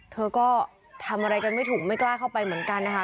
เธอก็ทำอะไรกันไม่ถูกไม่กล้าเข้าไปเหมือนกันนะคะ